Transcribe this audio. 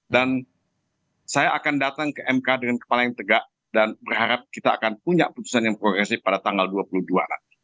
saya akan datang ke mk dengan kepala yang tegak dan berharap kita akan punya putusan yang progresif pada tanggal dua puluh dua nanti